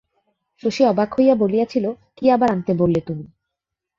শশী অবাক হইয়া বলিয়াছিল, কী আবার আনতে বললে তুমি?